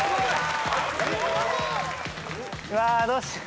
うわどうしよう。